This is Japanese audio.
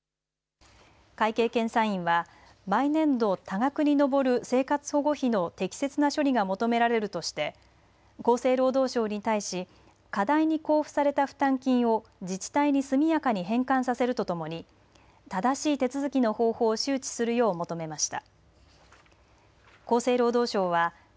会計検査院は、毎年度多額に上る生活保護費の適切な処理が求められるとして厚生労働省に対し過大に交付された負担金を自治体に速やかに返還させるとともに正しい手続きの方法を周知するよう求めました。